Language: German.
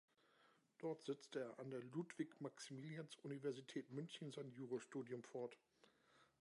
Dort setzte er an der Ludwig-Maximilians-Universität München sein Jurastudium fort.